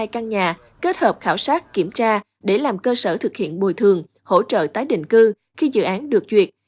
ba mươi hai căn nhà kết hợp khảo sát kiểm tra để làm cơ sở thực hiện mồi thường hỗ trợ tái định cư khi dự án được duyệt